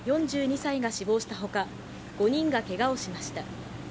４２歳が死亡したほか、５人がけがをしました。